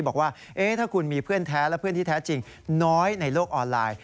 บอกว่าถ้าคุณมีเพื่อนแท้และเพื่อนที่แท้จริงน้อยในโลกออนไลน์